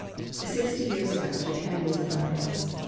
] Sixty years ago Japan was in darkness.